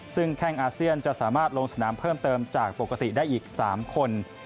ซึ่งแข้งอาเซียนจะสามารถลงสนามเพิ่มเติมจากปกติได้อีก๓คน